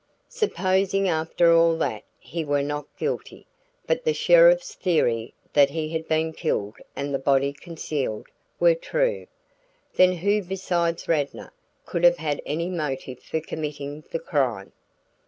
Supposing after all that he were not guilty, but the sheriff's theory that he had been killed and the body concealed, were true; then who, besides Radnor, could have had any motive for committing the crime?